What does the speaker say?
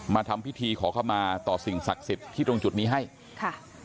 ทำพิธีขอเข้ามาต่อสิ่งศักดิ์สิทธิ์ที่ตรงจุดนี้ให้ค่ะ